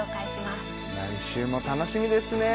来週も楽しみですね